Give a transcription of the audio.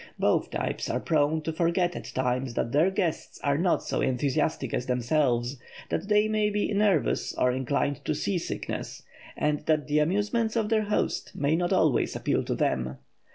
Both types are prone to forget at times that their guests are not so enthusiastic as themselves; that they may be nervous or inclined to seasickness, and that the amusements of their host may not always appeal to them.